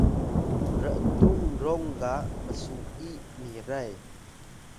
r’tung rong ga msu’iy miray